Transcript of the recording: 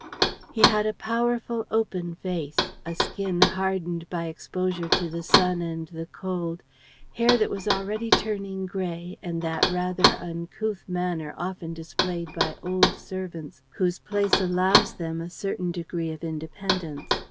He had a powerful, open face, a skin hardened by exposure to the sun and the cold, hair that was already turning gray and that rather uncouth manner often displayed by old servants whose place allows them a certain degree of independence.